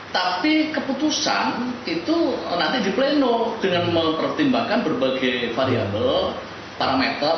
tapi keputusan itu nanti di pleno dengan mempertimbangkan berbagai variable parameter